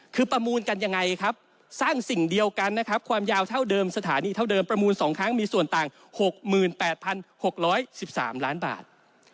คือประมูลกันยังไงครับสร้างสิ่งเดียวกันนะครับความยาวเท่าเดิมสถานีเท่าเดิมประมูล๒ครั้งมีส่วนต่าง๖๘๖๑๓ล้านบาท